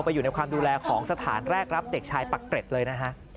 ไปอยู่ในความดูแลสถานแรกรับเด็กชายปะเกรชเลยนะ